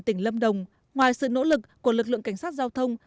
tỉnh lâm đồng ngoài sự nỗ lực của lực lượng cảnh sát giao thông